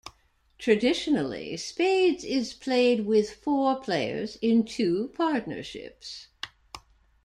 Traditionally Spades is played with four players in two partnerships.